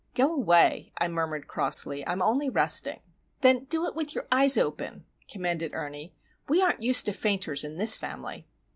"Go away!" I murmured, crossly. "I am only resting." "Then do it with your eyes open," commanded Ernie. "We aren't used to fainters in this family!"